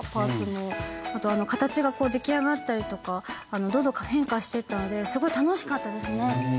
あと形が出来上がったりとかどんどん変化してったのですごい楽しかったですね。